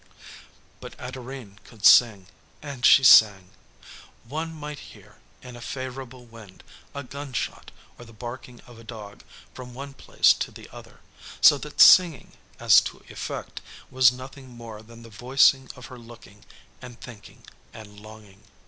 But Adorine could sing, and she sang. One might hear, in a favorable wind, a gunshot, or the barking of a dog from one place to the other, so that singing, as to effect, was nothing more than the voicing of her looking and thinking and longing.